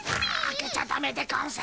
開けちゃダメでゴンス。